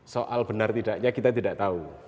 soal benar tidaknya kita tidak tahu